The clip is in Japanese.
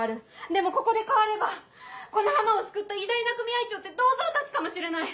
でもここで変わればこの浜を救った偉大な組合長って銅像建つかもしれない。